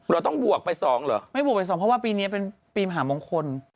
เราต้องบวกไป๒เหรอไม่บวกไป๒เพราะว่าปีนี้เป็นปีมหามงคล